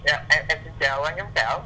dạ em xin chào anh giám cảo